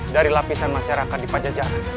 dari lapisan masyarakat di pajajaran